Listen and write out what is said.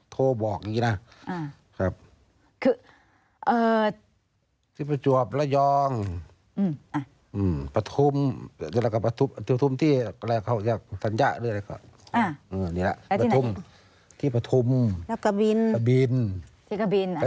ตอนแรกเขาจะทรัมซ์นะ